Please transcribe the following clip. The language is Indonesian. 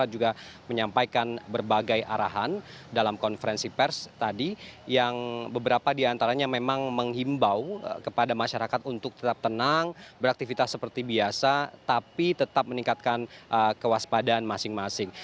juga menyampaikan berbagai arahan dalam konferensi pers tadi yang beberapa diantaranya memang menghimbau kepada masyarakat untuk tetap tenang beraktivitas seperti biasa tapi tetap meningkatkan kewaspadaan masing masing